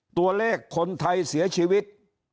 ตัวเลขคนไทยเสียชีวิต